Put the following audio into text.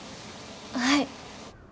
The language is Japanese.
はい。